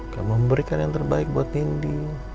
kau memberikan yang terbaik buat nindi